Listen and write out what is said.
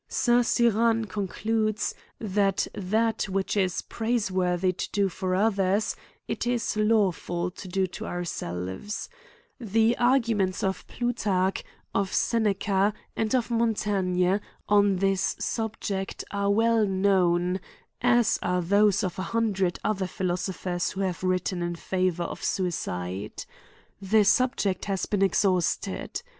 St. Cyran concludes, that that which it is praise worthy to do for others, it is lawful to do to our selves. The arguments of Plutarch, of Seneca, and of Montaigne, on this subject, are well known, CRIMES AND PUNISHMENTS. m as are those of an hundred other philosophers who have written in favor of suicide. The subject has been exhausted.